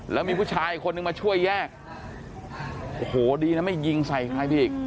แล้วมีผู้ชายอีกคนนึงมาช่วยแยกโอ้โหดีนะไม่ยิงใส่ใครไปอีก